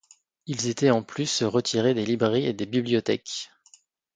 Ils étaient en plus retirés des librairies et des bibliothèques.